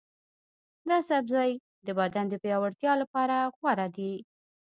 دا سبزی د بدن د پیاوړتیا لپاره غوره دی.